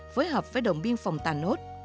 phối hợp với đồn biên phòng tà nốt